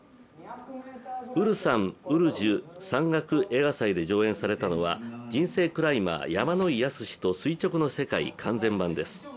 ウルサンウルジュ山岳映画祭で上映されたのは「人生クライマー山野井泰史と垂直の世界完全版」です。